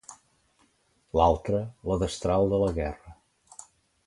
L'altre, la destral de la guerra.